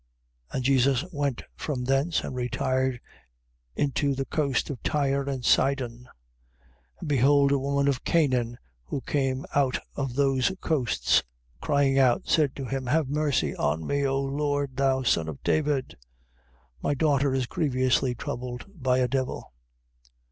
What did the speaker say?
15:21. And Jesus went from thence, and retired into the coast of Tyre and Sidon. 15:22. And behold a woman of Canaan who came out of those coasts, crying out, said to him: Have mercy on me, O Lord, thou son of David: my daughter is grievously troubled by a devil.